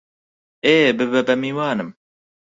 ئێ، ببە بە میوانم!